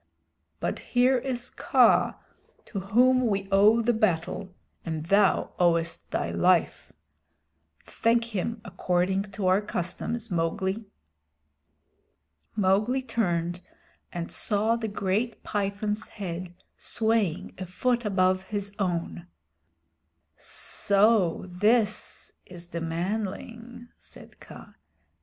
"But here is Kaa to whom we owe the battle and thou owest thy life. Thank him according to our customs, Mowgli." Mowgli turned and saw the great Python's head swaying a foot above his own. "So this is the manling," said Kaa.